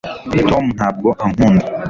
tom ntabwo ankunda